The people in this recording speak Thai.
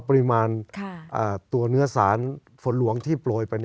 ปริมาณตัวเนื้อสารฝนหลวงที่โปรยไป